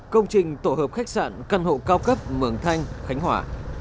công trình tổ hợp khách sạn căn hộ cao cấp mường thanh khánh hòa